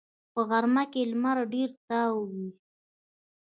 په غرمه کې لمر ډېر تاو وي